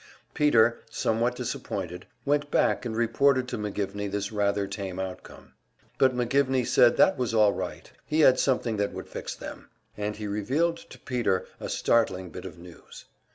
Peter, somewhat disappointed, went back and reported to McGivney this rather tame outcome. But McGivney said that was all right, he had something that would fix them; and he revealed to Peter a startling bit of news.